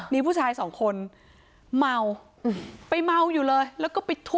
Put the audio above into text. มีผู้ชายสองคนเมาไปเมาอยู่เลยแล้วก็ไปทุบ